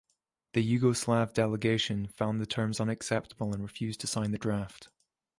The Yugoslav delegation found the terms unacceptable and refused to sign the draft.